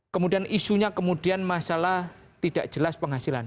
kemudian isunya kemudian masalah tidak jelas penghasilan